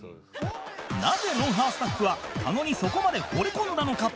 なぜ『ロンハー』スタッフは狩野にそこまで惚れ込んだのか？